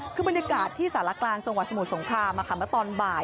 คือบรรยากาศที่สารกลางจังหวัดสมุทรสงครามเมื่อตอนบ่าย